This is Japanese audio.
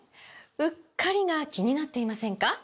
“うっかり”が気になっていませんか？